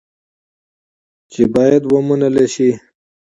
چې باید ومنل شي.